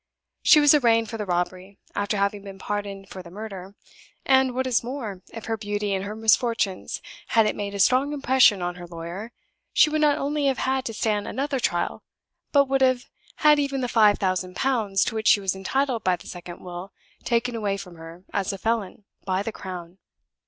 She was arraigned for the robbery, after having been pardoned for the murder. And, what is more, if her beauty and her misfortunes hadn't made a strong impression on her lawyer, she would not only have had to stand another trial, but would have had even the five thousand pounds, to which she was entitled by the second will, taken away from her, as a felon, by the Crown."